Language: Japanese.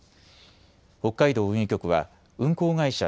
北海道運輸局は運航会社